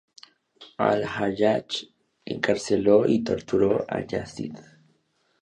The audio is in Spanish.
Al-Hayyach encarceló y torturó a Yazid.